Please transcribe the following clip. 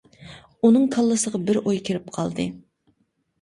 ئۇنىڭ كاللىسىغا بىر ئوي كىرىپ قالدى.